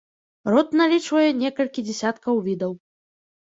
Род налічвае некалькі дзесяткаў відаў.